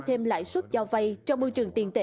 thêm lãi suất cho vay trong môi trường tiền tệ